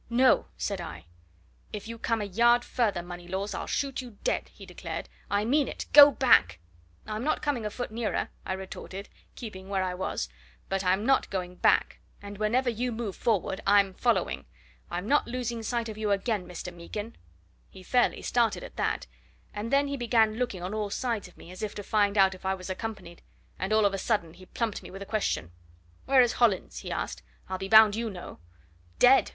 "No!" said I. "If you come a yard further, Moneylaws, I'll shoot you dead!" he declared. "I mean it! Go back!" "I'm not coming a foot nearer," I retorted, keeping where I was. "But I'm not going back. And whenever you move forward, I'm following. I'm not losing sight of you again, Mr. Meekin!" He fairly started at that and then he began looking on all sides of me, as if to find out if I was accompanied. And all of a sudden he plumped me with a question. "Where is Hollins?" he asked. "I'll be bound you know!" "Dead!"